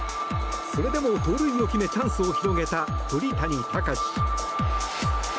それでも盗塁を決めチャンスを広げた鳥谷敬。